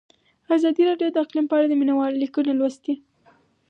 ازادي راډیو د اقلیم په اړه د مینه والو لیکونه لوستي.